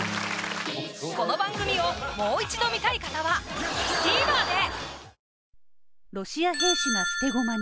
この番組をもう一度観たい方はＴＶｅｒで！